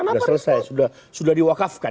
sudah selesai sudah diwakafkan